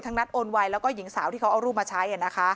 นัดโอนไวแล้วก็หญิงสาวที่เขาเอารูปมาใช้